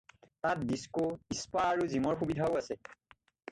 তাত disco, spa আৰু জিমৰ সুবিধাও আছে।